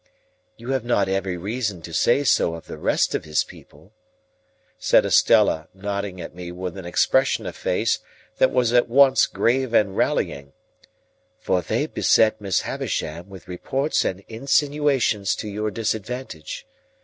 "You have not every reason to say so of the rest of his people," said Estella, nodding at me with an expression of face that was at once grave and rallying, "for they beset Miss Havisham with reports and insinuations to your disadvantage.